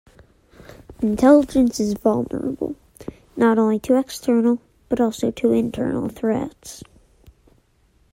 Intelligence is vulnerable not only to external but also to internal threats.